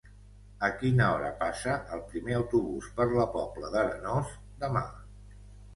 A quina hora passa el primer autobús per la Pobla d'Arenós demà?